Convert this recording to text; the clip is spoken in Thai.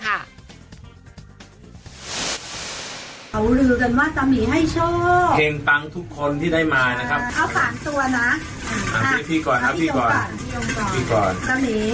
ข่าวรือกันว่าตามีให้โชค